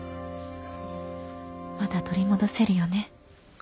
まだ取り戻せるよね？